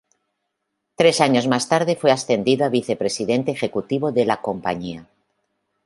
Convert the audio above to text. Tres año más tarde fue ascendido a vicepresidente ejecutivo de la compañía.